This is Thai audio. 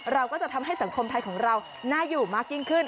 เราก็จะทำให้สังคมไทยของเราน่าอยู่มากยิ่งขึ้น